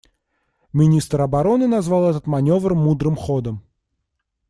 Министр обороны назвал этот маневр мудрым ходом.